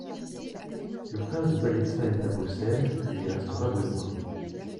Le prince de Galitzin est à Bruxelles ; il y restera deux mois.